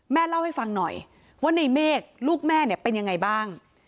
เล่าให้ฟังหน่อยว่าในเมฆลูกแม่เนี่ยเป็นยังไงบ้าง